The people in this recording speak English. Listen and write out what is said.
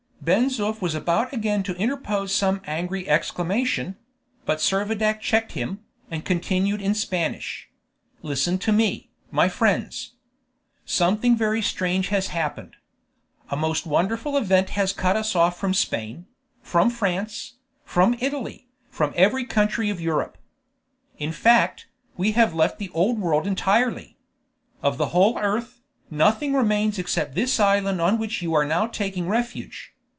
Ben Zoof was about again to interpose some angry exclamation; but Servadac checked him, and continued in Spanish: "Listen to me, my friends. Something very strange has happened. A most wonderful event has cut us off from Spain, from France, from Italy, from every country of Europe. In fact, we have left the Old World entirely. Of the whole earth, nothing remains except this island on which you are now taking refuge.